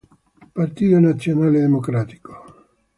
Partito Nazionale Democratico